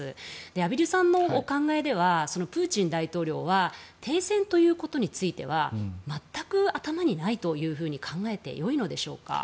畔蒜さんのお考えではプーチン大統領は停戦ということについては全く頭にないというふうに考えてよいのでしょうか？